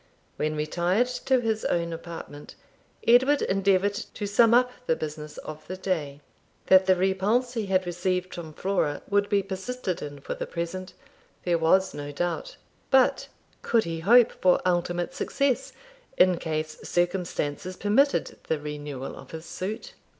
When retired to his own apartment, Edward endeavoured to sum up the business of the day. That the repulse he had received from Flora would be persisted in for the present, there was no doubt. But could he hope for ultimate success in case circumstances permitted the renewal of his suit?